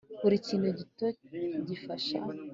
buri kintu gito gifasha